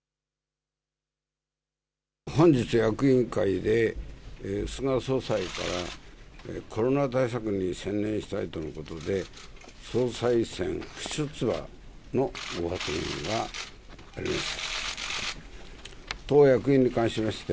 本日、役員会で菅総理大臣からコロナ対策に専念したいとのことで総裁選不出馬のご発言がありました。